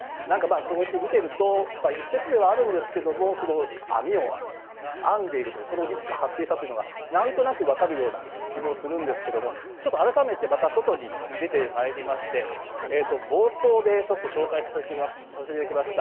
こうやって見ていると、一説ではあるんですけれども、網を編んでいるというその技術が発展したというのがなんとなく分かるような気もするんですが、ちょっと改めて外に出てまいりまして冒頭で紹介させていただきました